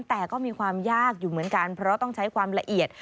แต่ก็มีความยากอยู่เหมือนกันเพราะต้องใช้ความละเอียด